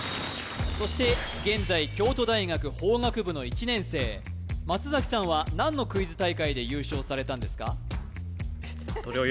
そして現在京都大学法学部の１年生松さんは何のクイズ大会で優勝されたんですか？